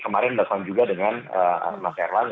kemarin baswan juga dengan mas erwan